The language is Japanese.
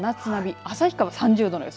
旭川は３０度の予想。